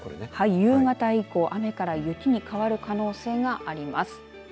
夕方以降、雨から雪に変わる可能性があります。